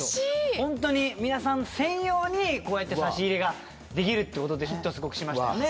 ホントに皆さん専用にこうやって差し入れができるってことでヒットしましたよね。